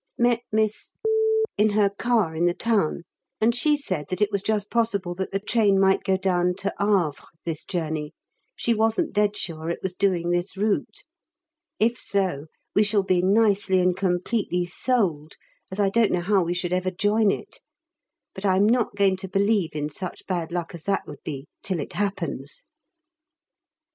Met Miss in her car in the town, and she said that it was just possible that the train might go down to Havre this journey, she wasn't dead sure it was doing this route! If so we shall be nicely and completely sold, as I don't know how we should ever join it. But I'm not going to believe in such bad luck as that would be till it happens.